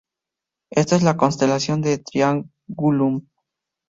Está en la constelación de Triangulum.